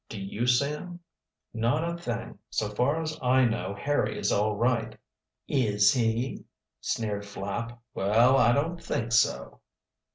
Do you, Sam?" "Not a thing. So far as I know Harry is all right." "Is he?" sneered Flapp. "Well, I don't think so."